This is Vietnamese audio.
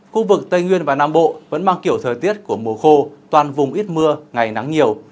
khu vực tây nguyên và nam bộ vẫn mang kiểu thời tiết của mùa khô toàn vùng ít mưa ngày nắng nhiều